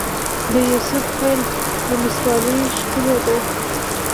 د یوسف خیل ولسوالۍ ښکلې ده